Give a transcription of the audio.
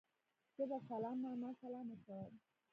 زه په سلام ماما سلام اچوم